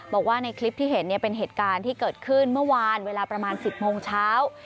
บอกว่าในคลิปที่เห็นเป็นเหตุการณ์ที่เกิดขึ้นเมื่อวานเวลาประมาณ๑๐โมงเช้า